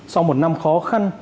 sau một năm khó khăn